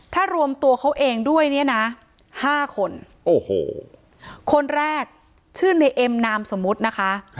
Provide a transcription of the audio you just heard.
ถ้ารวมตัวเขาเองด้วยเนี่ยนะ๕คนโอ้โหคนแรกชื่อในเอ็มนามสมมุตินะคะ